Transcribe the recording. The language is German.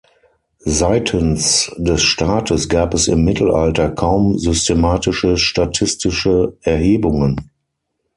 Seitens des Staates gab es im Mittelalter kaum systematische statistische Erhebungen.